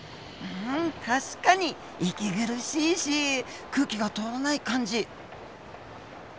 うん確かに息苦しいし空気が通らない感じ。